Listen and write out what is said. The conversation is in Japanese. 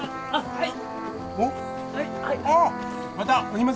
はい！